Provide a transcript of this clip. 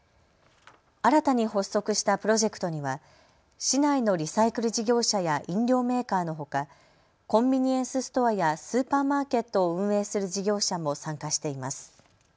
新たに発足したプロジェクトには市内のリサイクル事業者や飲料メーカーのほかコンビニエンスストアやスーパーマーケットを運営する事業者も参加しています。